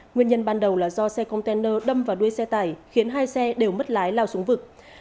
nguyên nhân ban đầu là do xe container đâm vào đuôi xe tải khiến hai xe đều mất lái lao xuống vực